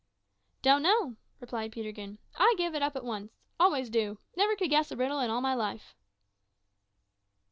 "Don't know," replied Peterkin. "I give it up at once. Always do. Never could guess a riddle in all my life."